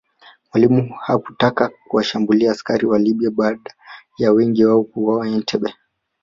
Mwalimu hakutaka kuwashambulia askari wa Libya baada ya wengi wao kuuawa Entebbe